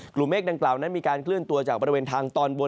เมฆดังกล่าวนั้นมีการเคลื่อนตัวจากบริเวณทางตอนบน